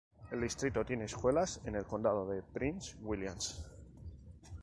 El distrito tiene escuelas en el Condado de Prince William.